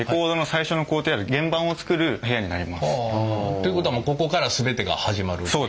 ということはもうここから全てが始まるっていう？